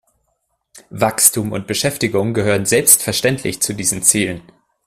Wachstum und Beschäftigung gehören selbstverständlich zu diesen Zielen.